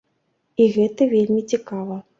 І гэта вельмі цікава.